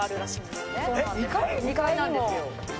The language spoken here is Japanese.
２階なんですよ。